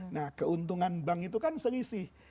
nah keuntungan bank itu kan selisih